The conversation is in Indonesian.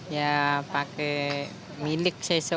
ya pakai milik sesu